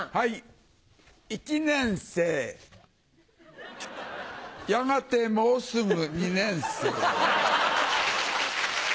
一年生やがてもうすぐ二年生。